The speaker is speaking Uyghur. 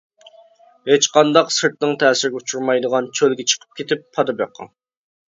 ھېچقانداق سىرتنىڭ تەسىرىگە ئۇچرىمايدىغان چۆلگە چىقىپ كېتىپ پادا بېقىش.